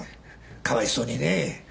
かわいそうにねぇ。